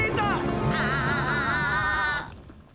ああ。